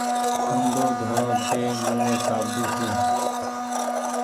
موڍو ڌوڻو ڇي مني صآبو سون